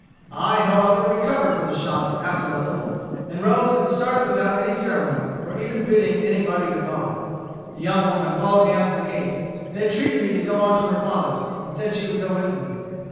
I however recovered from the shock after a little, and rose and started without any ceremony, or even bidding anybody good bye. The young woman followed me out to the gate, and entreated me to go on to her father's, and said she would go with me.